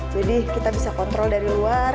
jadi kita bisa kontrol dari luar